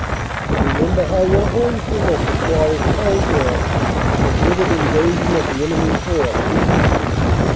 Remember how your homes will look if war is carried there and with it invasion of the enemy s hordes.